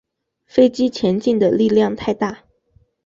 飞机前进的力量太大